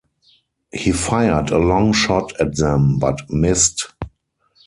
He fired a long shot at them but missed.